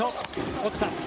落ちた。